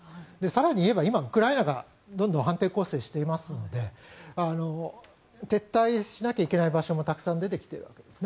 更に言えば今、ウクライナがどんどん反転攻勢していますので撤退しなきゃいけない場所もたくさん出てきているわけです。